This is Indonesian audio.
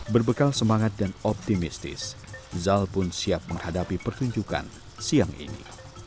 berbekal semangat dan optimistis zal pun siap menghadapi pertunjukan siang ini